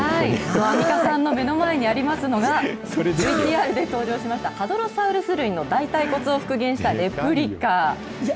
アンミカさんの目の前にありますのが、ＶＴＲで登場しました、ハドロサウルス類の大たい骨を復元した、レプリカ。